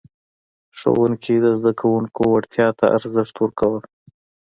ښوونکي د زده کوونکو وړتیا ته ارزښت ورکولو.